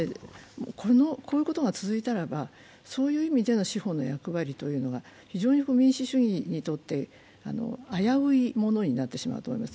こういうことが続いたらば、そういう意味での司法の役割が非常に民主主義にとって危ういものになってしまうと思います。